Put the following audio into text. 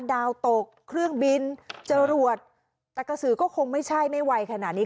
ดาวตกเครื่องบินจรวดแต่กระสือก็คงไม่ใช่ไม่ไวขนาดนี้